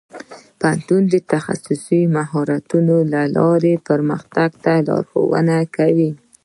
پوهنتون د تخصصي مهارتونو له لارې پرمختګ ته لارښوونه کوي.